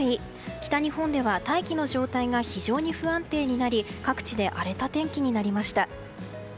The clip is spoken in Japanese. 北日本では大気の状態が非常に不安定になり各地で荒れた天気になりました。